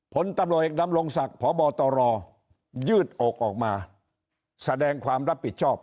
ผลตำรวจเอกดำรงศักดิ์พบตรยืดอกออกมาแสดงความรับผิดชอบ